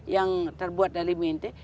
yang terbuat dari mente